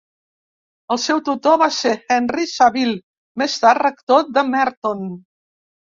El seu tutor va ser Henry Saville, més tard rector de Merton.